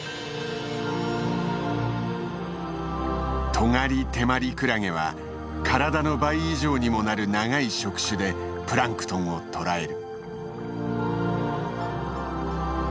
トガリテマリクラゲは体の倍以上にもなる長い触手でプランクトンを捕らえる。